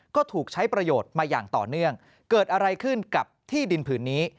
ก็ถูกใช้ประโยชน์มาอย่างต่อเนื่องเกิดอะไรขึ้นกับที่ดินผืนนี้